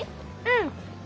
うん。